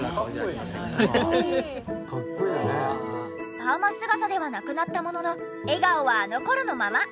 パーマ姿ではなくなったものの笑顔はあの頃のまま。